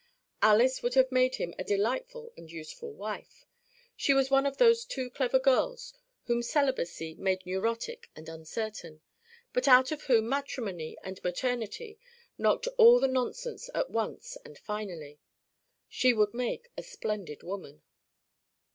Alys would have made him a delightful and useful wife. She was one of those too clever girls whom celibacy made neurotic and uncertain, but out of whom matrimony and maternity knocked all the nonsense at once and finally. She would make a splendid woman.